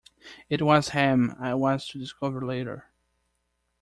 It was ham, I was to discover later.